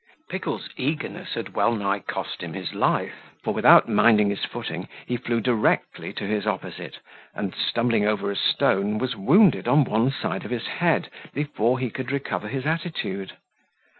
Pickle's eagerness had well nigh cost him his life; for, without minding his footing, he flew directly to his opposite, and, stumbling over a stone, was wounded on one side of his head before he could recover his attitude.